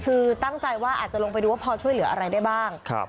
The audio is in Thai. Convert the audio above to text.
คือตั้งใจว่าอาจจะลงไปดูว่าพอช่วยเหลืออะไรได้บ้าง